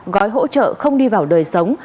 gói hỗ trợ không đi vào đời sống